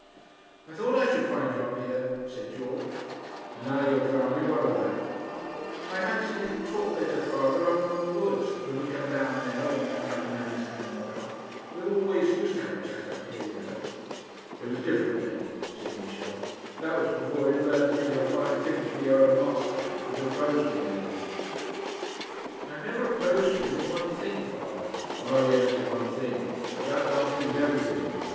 'I thought I should find you up here,' said George. 'And now you have found me, what of that?' 'I fancy we can talk better, father, up among the woods, than we can down there when that young man is hanging about. We always used to have a chat up here, you know.' 'It was different then,' said Michel. 'That was before you had learned to think it a fine thing to be your own master and to oppose me in everything.' 'I have never opposed you but in one thing, father.' 'Ah, yes; in one thing. But that one thing is everything.